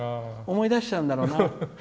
思い出しちゃうんだろうな。